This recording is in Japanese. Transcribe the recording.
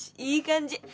いい感じ。